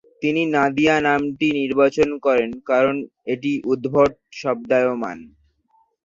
তিনি নাদিয়া নামটি নির্বাচন করেন কারণ এটি "উদ্ভট-শব্দায়মান"।